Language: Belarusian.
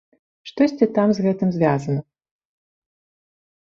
Штосьці там з гэтым звязана.